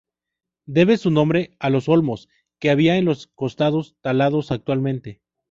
Debe su nombre a los Olmos que había en los costados, talados actualmente.